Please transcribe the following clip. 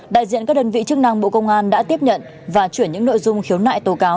đại diện các đơn vị chức năng bộ công an đã tiếp nhận và chuyển những nội dung khiếu nại tố cáo